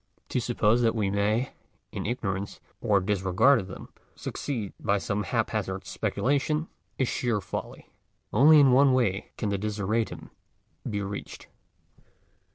To suppose that we may, in ignorance or disregard of them, succeed by some hap hazard speculation, is sheer folly. Only in one way can the desideratum be reached.